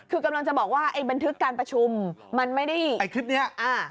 คือกำลังจะบอกว่าไอ้บันทึกการประชุมมันไม่ได้ไอ้คลิปเนี้ยอ่า